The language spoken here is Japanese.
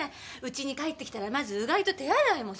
うちに帰ってきたらまずうがいと手洗い！